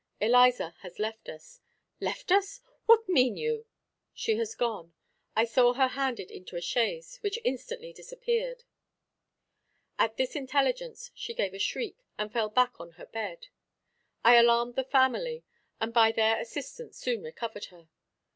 "Eliza has left us." "Left us! What mean you?" "She has just gone; I saw her handed into a chaise, which instantly disappeared." At this intelligence she gave a shriek, and fell back on her bed. I alarmed the family, and by their assistance soon recovered her.